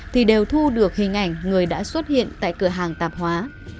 thì đều thu được hình ảnh người đã xuất hiện tại cửa hàng tạp hóa